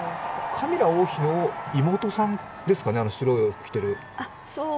カミラ王妃の妹さんですかね、あの白いお洋服を着ている。